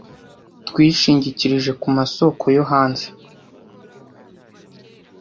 Twishingikirije kumasoko yo hanze